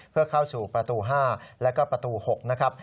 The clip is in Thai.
เพื่อเข้าสู่ประตู๕แล้วก็ประตู๖นะครับ